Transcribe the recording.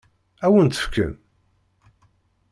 Ad wen-tt-fken?